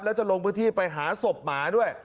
แล้วจะลงพื้นที่ไปหาศพหมาด้วย